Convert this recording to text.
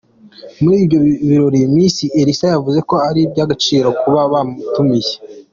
Muri ibyo birori Miss Elsa yavuze ko ari iby’agaciro kuba bamutumiye.